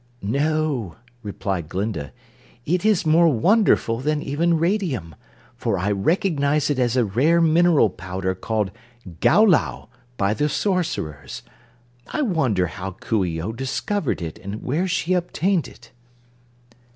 "No," replied Glinda, "it is more wonderful than even radium, for I recognize it as a rare mineral powder called Gaulau by the sorcerers. I wonder how Coo ee oh discovered it and where she obtained it."